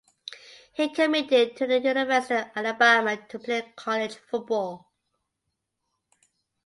He committed to the University of Alabama to play college football.